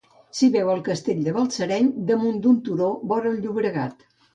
S'hi veu el castell de Balsareny, damunt d'un turó vora el Llobregat.